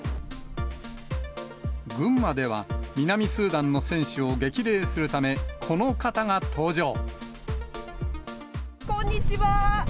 群馬では、南スーダンの選手を激励するため、こんにちは。